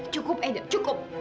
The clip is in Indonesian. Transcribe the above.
cukup edo cukup